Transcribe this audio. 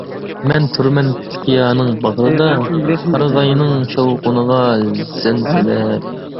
مەن تۇرىمەن تىك قىيانىڭ باغرىدا، قارىغاينىڭ شاۋقۇنىغا زەن سېلىپ.